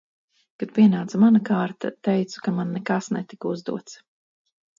Kad pienāca mana kārta, teicu, ka man nekas netika uzdots.